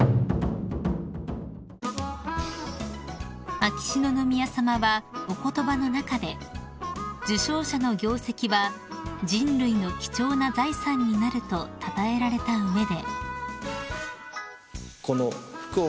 ［秋篠宮さまはお言葉の中で受賞者の業績は「人類の貴重な財産になる」とたたえられた上で］